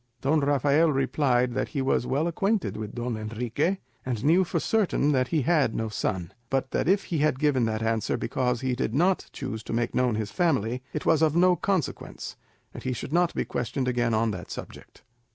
Don Rafael replied that he was well acquainted with Don Enrique, and knew for certain that he had no son; but that if he had given that answer because he did not choose to make known his family, it was of no consequence, and he should not be questioned again on that subject.